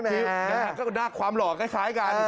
น่ากับความหล่อคล้ายกัน